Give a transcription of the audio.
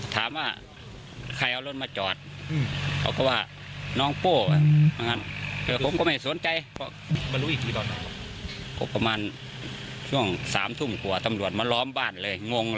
ตำรวจมาล้อมบ้านเลยงงเลยคราวนี้อ๋อแล้วตำรวจเขามาถามว่าอะไรบ้าง